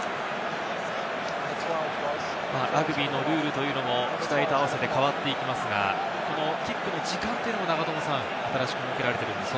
ラグビーのルールというのも時代と合わせて変わっていきますが、キックの時間というのも新しく設けられて。